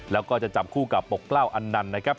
แล้วก็จะจับคู่กับปกเปล่าอนันต์นะครับ